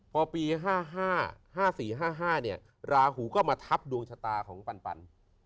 พอปี๕๕๕๔๕๕ลาหูก็มาทับดวงชะตาของปันปัน